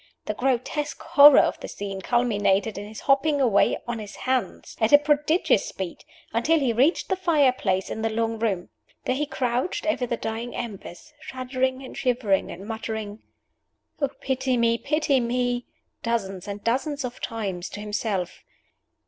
The grotesque horror of the scene culminated in his hopping away on his hands, at a prodigious speed, until he reached the fire place in the long room. There he crouched over the dying embers, shuddering and shivering, and muttering, "Oh, pity me, pity me!" dozens and dozens of times to himself.